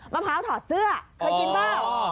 มะพร้าวถอดเสื้อเคยกินเปล่า